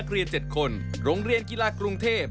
โลงเรียนกีฬากรุงเทพ